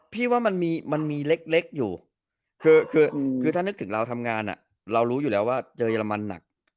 พี่ว่ามันมีเล็กอยู่คือถ้านึกถึงเราทำงานเรารู้อยู่แล้วว่าเจอเรมันหนัก